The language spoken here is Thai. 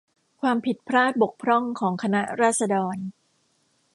ความผิดพลาดบกพร่องของคณะราษฎร